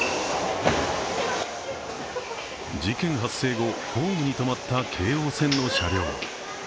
事件発生後、ホームにとまった京王線の車両。